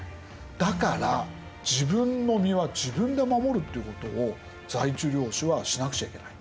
だから自分の身は自分で守るっていうことを在地領主はしなくちゃいけない。